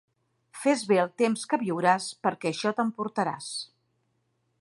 Fes bé el temps que viuràs, perquè això t'emportaràs.